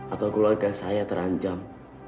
atau keluarga saya terancam